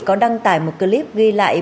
có đăng tải một clip ghi lại